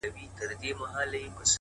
سل ځلې شیخانو